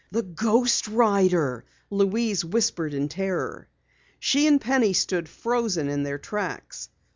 "The ghost rider!" Louise whispered in terror. She and Penny stood frozen in their tracks.